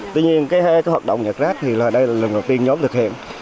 tuy nhiên cái hoạt động nhặt rác thì đây là lần đầu tiên nhóm thực hiện